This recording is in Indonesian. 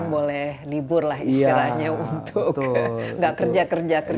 boleh libur lah istirahatnya untuk tidak kerja kerja terus